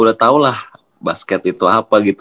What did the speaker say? udah tau lah basket itu apa gitu